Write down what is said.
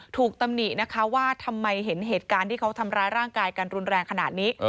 ตำหนินะคะว่าทำไมเห็นเหตุการณ์ที่เขาทำร้ายร่างกายกันรุนแรงขนาดนี้